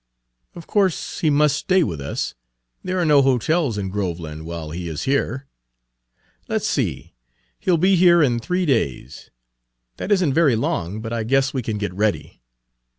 Of course he must stay with us; there are no hotels in Groveland while he is here. Let's see he'll be here in three days. That is n't very long, but I guess we can get ready.